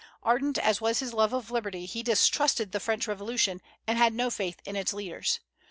Ardent as was his love of liberty, he distrusted the French Revolution, and had no faith in its leaders.